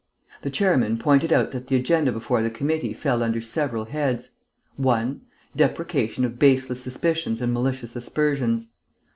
"The Chairman pointed out that the agenda before the Committee fell under several heads: "1. Deprecation of baseless suspicions and malicious aspersions.